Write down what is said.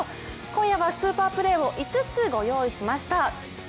今夜はスーパープレーを５つご用意しました。